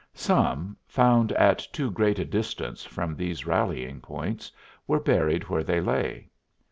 Some, found at too great a distance from these rallying points, were buried where they lay.